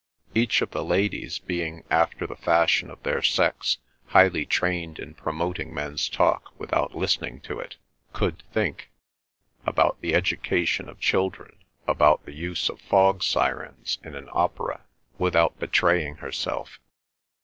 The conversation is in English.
Each of the ladies, being after the fashion of their sex, highly trained in promoting men's talk without listening to it, could think—about the education of children, about the use of fog sirens in an opera—without betraying herself.